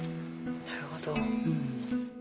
なるほど。